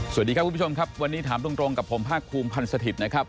สวัสดีครับคุณผู้ชมครับวันนี้ถามตรงกับผมภาคภูมิพันธ์สถิตย์นะครับ